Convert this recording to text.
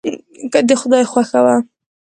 که د خدای خوښه وه.